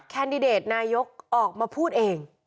แคนดิเดตนายกออกมาพูดเอง